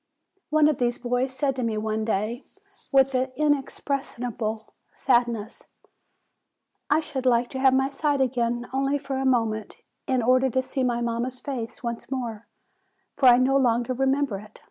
One of these boys said to me one day, with inexpressible sadness, 'I should like to have my sight again, only for a moment, in order to see mamma's face once more, for I no longer remember it